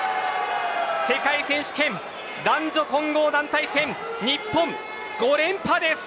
世界選手権、男女混合団体戦日本５連覇です。